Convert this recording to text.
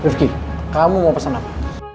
rifki kamu mau pesan apa